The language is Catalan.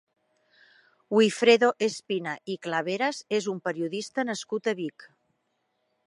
Wifredo Espina i Claveras és un periodista nascut a Vic.